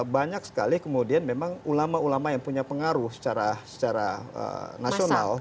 banyak sekali kemudian memang ulama ulama yang punya pengaruh secara nasional